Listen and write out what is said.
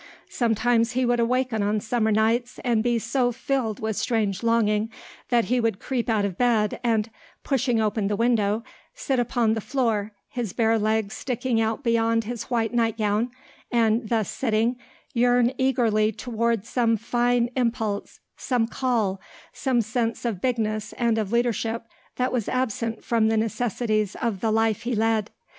Sometimes he would awaken on summer nights and be so filled with strange longing that he would creep out of bed and, pushing open the window, sit upon the floor, his bare legs sticking out beyond his white nightgown, and, thus sitting, yearn eagerly toward some fine impulse, some call, some sense of bigness and of leadership that was absent from the necessities of the life he led.